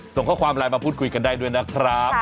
ส่งข้อความไลน์มาพูดคุยกันได้ด้วยนะครับ